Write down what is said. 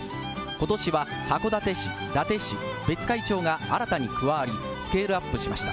ことしは函館市、伊達市、別海町が新たに加わり、スケールアップしました。